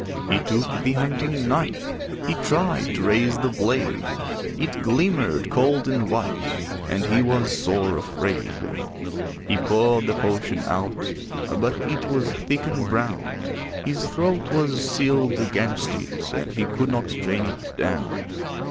He took the hunting knife, He tried to raise the blade; It glimmered cold and white, And he was sore afraid. He poured the potion out, But it was thick and brown; His throat was sealed against it, And he could not drain it down.